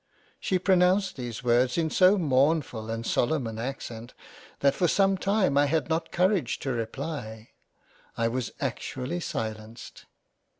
She pronounced these words in so mournfull and solemn an accent, that for some time I had not courage to reply. I was actually silenced.